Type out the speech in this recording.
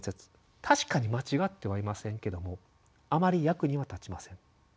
確かに間違ってはいませんけどもあまり役には立ちません。